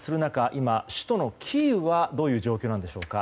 今、首都キーウはどういう状況なんでしょうか。